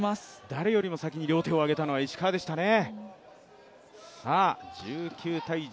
誰よりも先に両手を上げたのは石川でしたね。